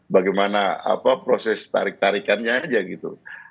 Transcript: bagaimana proses tarik tarikannya aja gitu